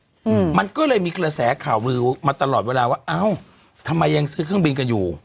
อืมมันก็เลยมีกระแสข่าวลือมาตลอดเวลาว่าเอ้าทำไมยังซื้อเครื่องบินกันอยู่